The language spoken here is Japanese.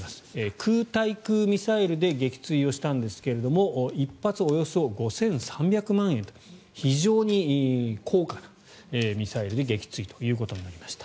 空対空ミサイルで撃墜をしたんですが１発およそ５３００万円と非常に高価なミサイルで撃墜ということになりました。